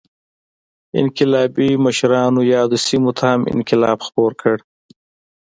انقلابي مشرانو یادو سیمو ته هم انقلاب خپور کړ.